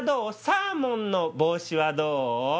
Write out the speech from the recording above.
サーモンの帽子はどう？